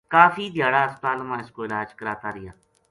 کافی دھیاڑا ہسپتال ما اسکو علاج کراتا رہیا